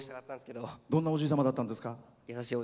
どんなおじい様だったんですか？